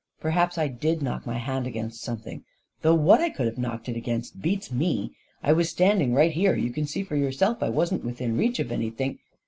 Perhaps I did knock my hand against something — though what I could have knocked it against beats me. I was standing right here — you can see for yourself I wasn't within reach of anything